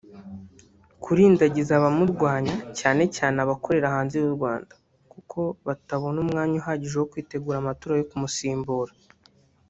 *Kurindagiza abamurwanya (cyane cyane abakorera hanze y’u Rwanda) kuko batabona umwanya uhagije wo kwitegura amatora yo kumusimbura